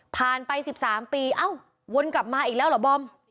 ไป๑๓ปีเอ้าวนกลับมาอีกแล้วเหรอบอม